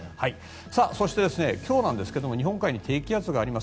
そして、今日なんですけど日本海に低気圧があります。